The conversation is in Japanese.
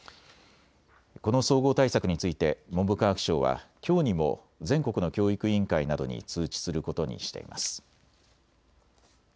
この総合対策について文部科学省はきょうにも全国の教育委員会などに通知することにしています。